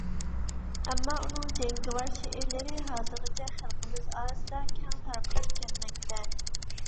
ئەمما، ئۇنىڭ جەڭگىۋار شېئىرلىرى، ھازىرغىچە خەلقىمىز ئارىسىدا كەڭ تارقىلىپ كەلمەكتە.